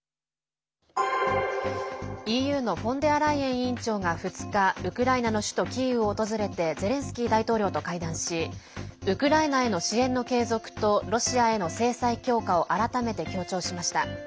ＥＵのフォンデアライエン委員長が２日ウクライナの首都キーウを訪れてゼレンスキー大統領と会談しウクライナへの支援の継続とロシアへの制裁強化を改めて強調しました。